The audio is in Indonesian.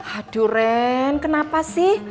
aduh ren kenapa sih